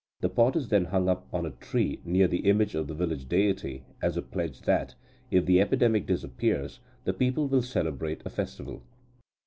The pot is then hung up on a tree near the image of the village deity, as a pledge that, if the epidemic disappears, the people will celebrate a festival."